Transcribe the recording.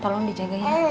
tolong dijaga ya